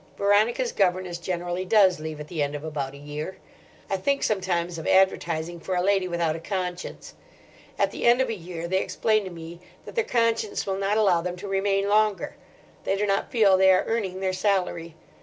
Veronica's governess generally does leave at the end of about a year. I think sometimes of advertising for a lady without a conscience. At the end of a year, they explain to me that their conscience will not allow them to remain longer; they do not feel they are earning their salary.